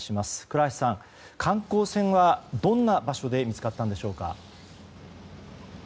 倉橋さん、観光船はどんな場所で見つかったのでしょうか。